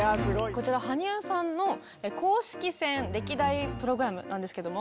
こちら羽生さんの公式戦歴代プログラムなんですけども。